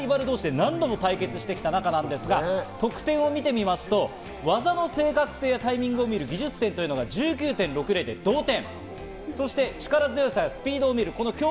何度も対決してきた仲ですが、得点を見てみますと、技の正確性やタイミングを見る技術点が１９．６０で同点。